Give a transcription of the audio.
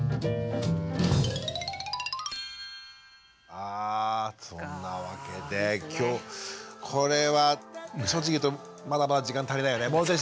さあそんなわけで今日これは正直言うとまだまだ時間足りないよね。